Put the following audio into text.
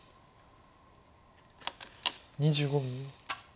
２５秒。